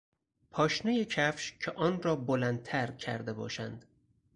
پاشنهی کفش که آن را بلندتر کرده باشند